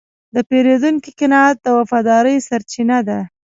د پیرودونکي قناعت د وفادارۍ سرچینه ده.